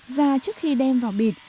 da trước khi đem vào bịt